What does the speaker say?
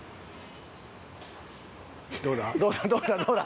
どうだ？